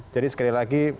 jadi sekali lagi